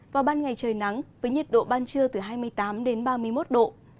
vào ban ngày trời nắng với nhiệt độ ban trưa từ hai mươi tám ba mươi một độ